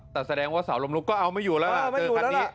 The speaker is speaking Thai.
แต่แสดงว่าสาวลมลุกก็เอาไม่อยู่แล้วล่ะ